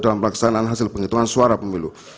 dalam pelaksanaan hasil penghitungan suara pemilu